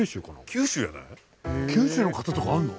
九州の型とかあんの？